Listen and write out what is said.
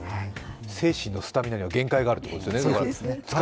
精神のスタミナには限界があるということですね。